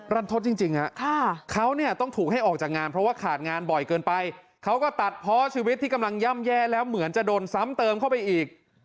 รันทศจริงฮะเขาเนี่ยต้องถูกให้ออกจากงานเพราะว่าขาดงานบ่อยเกินไปเขาก็ตัดเพราะชีวิตที่กำลังย่ำแย่แล้วเหมือนจะโดนซ้ำเติมเข้าไปอีก